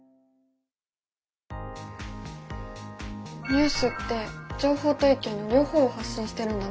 ニュースって情報と意見の両方を発信してるんだね。